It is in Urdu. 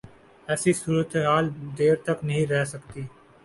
ایسی صورتحال دیر تک نہیں رہ سکتی۔